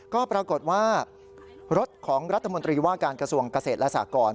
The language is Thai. ก็ปรากฏว่ารถของรัฐมนตรีว่าการกระทรวงเกษตรและสากร